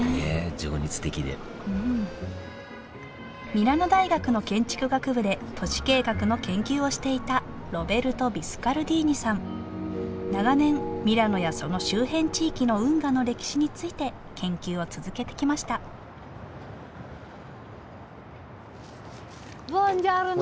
情熱的でミラノ大学の建築学部で都市計画の研究をしていた長年ミラノやその周辺地域の運河の歴史について研究を続けてきましたボンジョルノ。